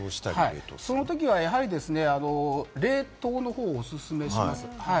そのときは冷凍の方をおすすめします。